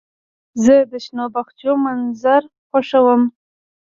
زه د شنو باغچو منظر خوښوم.